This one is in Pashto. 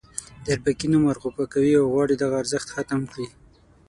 د اربکي نوم ورغوپه کوي او غواړي دغه ارزښت ختم کړي.